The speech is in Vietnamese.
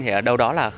thì ở đâu đó là